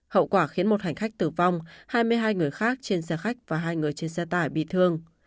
hậu quả khiến một hành khách tử vong hai mươi hai người khác trên xe khách và hai người trên xe tải bị thương